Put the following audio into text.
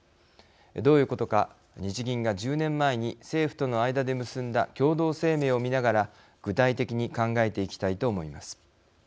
どういうことか日銀が１０年前に政府との間で結んだ共同声明を見ながら具体的に考えていきたいと思います。